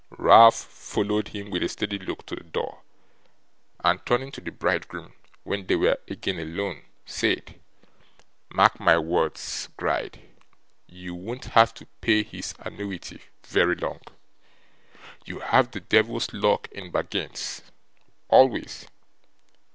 Ralph followed him, with a steady look, to the door; and, turning to the bridegroom, when they were again alone, said, 'Mark my words, Gride, you won't have to pay HIS annuity very long. You have the devil's luck in bargains, always.